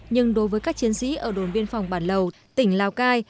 nhưng đối với các chiến sĩ ở đồn biên phòng bản lầu tỉnh lào cai